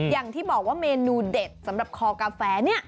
อย่างที่บอกว่าเมนูเด็ดสำหรับคอกาแฟเนี่ย